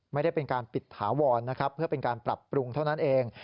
ไม่ได้เป็นการปิดถาวรนะครับเพื่อเป็นการปรับปรุงเท่านั้นเอง